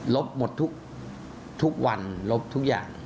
หมดทุกวันลบทุกอย่าง